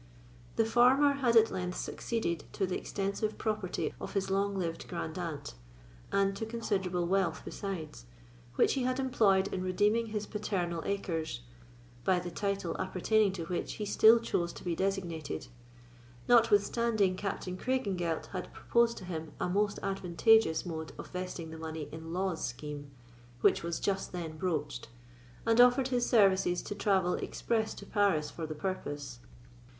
The former had at length succeeded to the extensive property of his long lived grand aunt, and to considerable wealth besides, which he had employed in redeeming his paternal acres (by the title appertaining to which he still chose to be designated), notwithstanding Captain Craigengelt had proposed to him a most advantageous mode of vesting the money in Law's scheme, which was just then broached, and offered his services to travel express to Paris for the purpose.